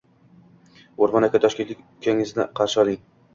O‘rmon aka, Toshkentlik ukangizni qarshi oling.